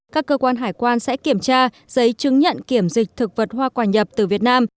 các cơ quan hải quan sẽ kiểm tra giấy chứng nhận kiểm dịch thực vật hoa quả nhập từ việt nam